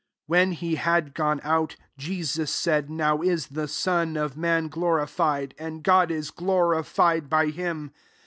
31 When he had gone out, Jesus said, " Now is the Son of man glorified, and God is glorified by him.